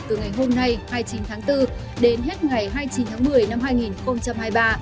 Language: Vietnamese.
từ ngày hôm nay hai mươi chín tháng bốn đến hết ngày hai mươi chín tháng một mươi năm hai nghìn hai mươi ba